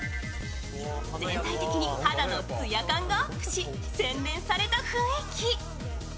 全体的に肌の艶感がアップし、洗練させた雰囲気。